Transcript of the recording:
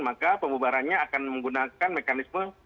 maka pembubarannya akan menggunakan mekanisme